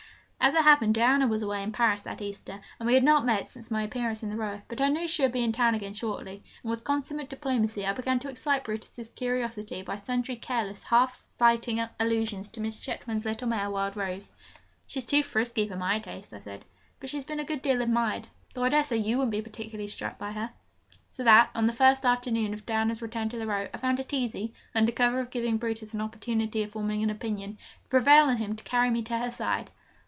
As it happened, Diana was away in Paris that Easter, and we had not met since my appearance in the Row; but I knew she would be in town again shortly, and with consummate diplomacy I began to excite Brutus's curiosity by sundry careless, half slighting allusions to Miss Chetwynd's little mare, Wild Rose. 'She's too frisky for my taste,' I said, 'but she's been a good deal admired, though I dare say you wouldn't be particularly struck by her.' So that, on the first afternoon of Diana's return to the Row, I found it easy, under cover of giving Brutus an opportunity of forming an opinion, to prevail on him to carry me to her side.